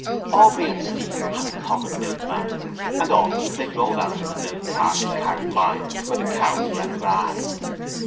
Aubrey and Stephen had a common milkman and often they drove out in the milkcar to Carrickmines where the cows were at grass.